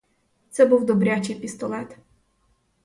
Це був добрячий пістолет.